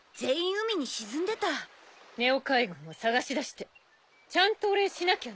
ＮＥＯ海軍を捜し出してちゃんとお礼しなきゃね。